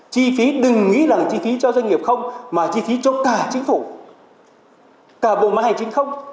chi phí đừng nghĩ rằng chi phí cho doanh nghiệp không mà chi phí cho cả chính phủ cả bộ máy hành chính không